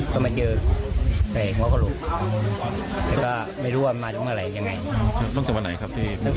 จ๊ะมีที่อื่นมีหรอครับ